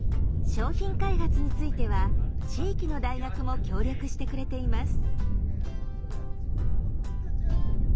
商品開発については地域の大学も協力してくれています。